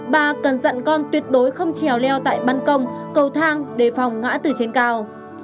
ba cần dặn con tuyệt đối không trèo leo tại băn công cầu thang để phòng ngã từ trên cao